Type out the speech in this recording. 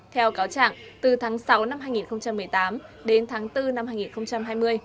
theo cáo trạng từ tháng sáu năm hai nghìn một mươi tám đến tháng bốn năm hai nghìn hai mươi